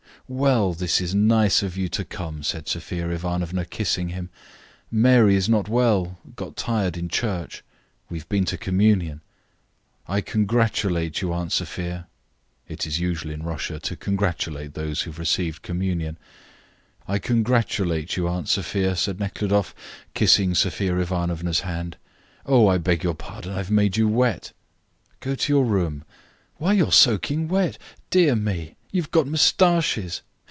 "Well, this is nice of you to come," said Sophia Ivanovna, kissing him. "Mary is not well, got tired in church; we have been to communion." "I congratulate you, Aunt Sophia," [it is usual in Russia to congratulate those who have received communion] said Nekhludoff, kissing Sophia Ivanovna's hand. "Oh, I beg your pardon, I have made you wet." "Go to your room why you are soaking wet. Dear me, you have got moustaches!